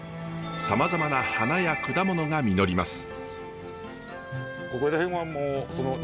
さまざまな花や果物が実ります。